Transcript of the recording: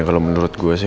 ya kalau menurut gua sih